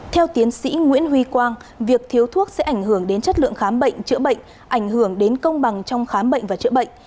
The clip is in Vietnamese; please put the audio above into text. theo tiến sĩ nguyễn huy quang việc thiếu thuốc sẽ ảnh hưởng đến chất lượng khám bệnh chữa bệnh ảnh hưởng đến công bằng trong khám bệnh và chữa bệnh